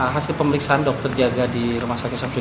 hasil pemeriksaan dokter jaga di rumah sakit syafri